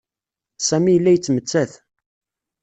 Sami yella yettmettat.